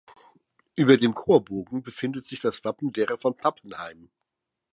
Über dem Chorbogen befindet sich das Wappen derer von Pappenheim.